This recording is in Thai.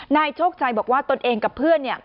นายโชคชัยบอกว่าตนเองกับเพื่อนเนี่ย